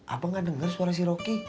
abang gak denger suara si roki